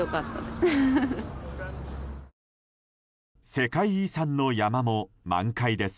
世界遺産の山も満開です。